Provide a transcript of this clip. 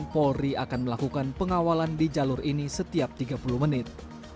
polri akan melakukan pengawalan di jalur ini setiap tiga puluh menit